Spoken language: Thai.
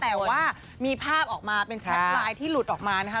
แต่ว่ามีภาพออกมาเป็นแชทไลน์ที่หลุดออกมานะคะ